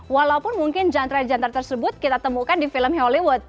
walaupun mungkin genre genre tersebut kita temukan di film hollywood